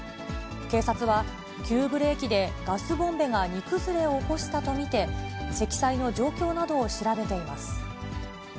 警察は、急ブレーキでガスボンベが荷崩れを起こしたと見て、積載の状況などを調べています。